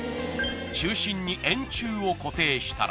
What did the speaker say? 中心に円柱を固定したら